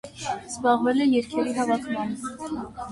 Զբաղվել է երգերի հավաքմամբ։